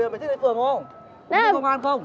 mày thích lấy công an không